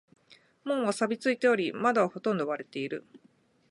門は錆びついており、窓はほとんど割れている。